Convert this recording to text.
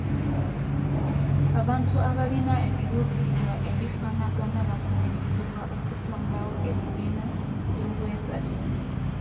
Abantu abalina ebiruubirirwa ebifaanagana bakubirizibwa okutondawo ebibiina ky'obwegassi.